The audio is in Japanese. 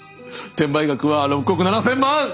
転売額は６億７，０００万！